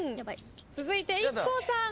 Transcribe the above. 続いてＩＫＫＯさん。